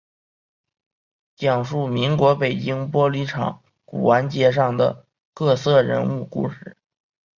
讲述民国北京琉璃厂古玩街上的各色人物故事。